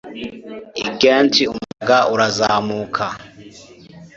i ghent umuyaga urazamuka